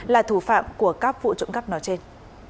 là thủ phạm của các vụ trộm cắp nói trên